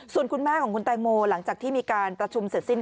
ส่วนคุณแม่ของคุณแตงโมหลังจากที่มีการประชุมเสร็จสิ้น